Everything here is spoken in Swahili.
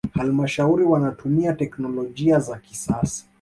halmashauri wanatumia teknolojia za kisasa